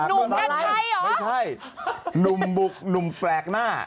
หนุ่มกันใช่หรอไม่ใช่หนุ่มปลูกหนุ่มแปลกหน้า